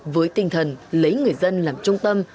với tinh thần lấy người dân làm trung tâm